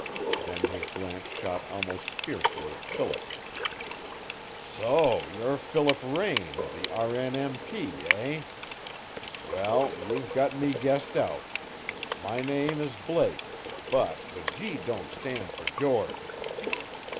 Then his glance shot almost fiercely at Philip. "So you're Philip Raine, of the R. N. M. P., eh? Well, you've got me guessed out. My name is Blake, but the G don't stand for George.